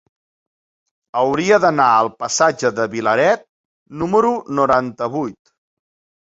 Hauria d'anar al passatge de Vilaret número noranta-vuit.